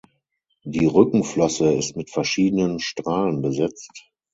Die Rückenflosse ist mit verschiedenen Strahlen besetzt.